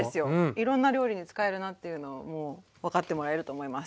いろんな料理に使えるなっていうのをもう分かってもらえると思います。